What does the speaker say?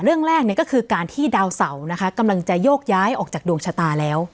เรื่องแรกก็คือการที่ดาวเสานะคะกำลังจะโยกย้ายออกจากดวงชะตาแล้ว